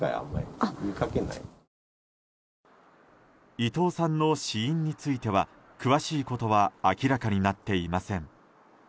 伊藤さんの死因については詳しいことは明らかになっていません。